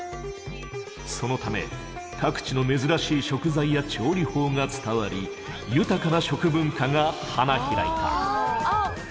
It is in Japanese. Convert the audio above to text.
そのため各地の珍しい食材や調理法が伝わり豊かな食文化が花開いた。